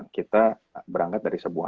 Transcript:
kita berangkat dari sebuah